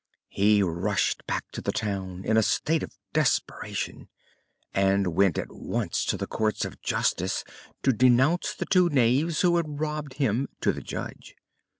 He rushed back to the town in a state of desperation and went at once to the Courts of Justice to denounce the two knaves who had robbed him to the judge.